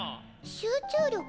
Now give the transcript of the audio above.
集中力？